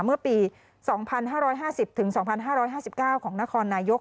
เมื่อปี๒๕๕๐๒๕๕๙ของนครนายก